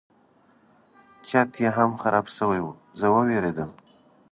چت یې هم خراب شوی و زه وویرېدم.